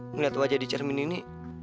melihat wajah di cermin ini